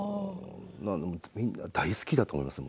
みんな大好きだと思いますよ